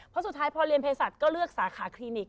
เพราะสุดท้ายพอเรียนเพศัตวก็เลือกสาขาคลินิก